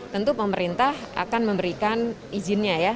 tentu pemerintah akan memberikan izinnya ya